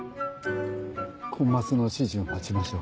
コンマスの指示を待ちましょう。